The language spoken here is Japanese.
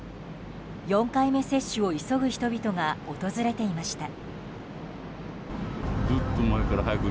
４回目接種を急ぐ人々が訪れていました。